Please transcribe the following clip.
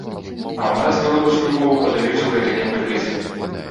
А ў нас беларускую мову падаюць у гэтакім выглядзе.